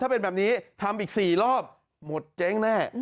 ถ้าเป็นแบบนี้ทำอีก๔รอบหมดเจ๊งแน่